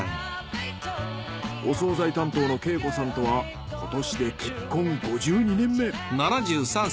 お総菜担当の敬子さんとは今年で結婚５２年目。